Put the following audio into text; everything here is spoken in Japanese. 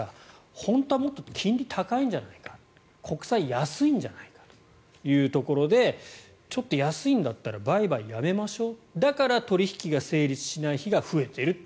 本当はもっと金利、高いんじゃないか国債、安いんじゃないかというところでちょっと安いんだったら売買やめましょうだから取引が成立しない日が増えていると。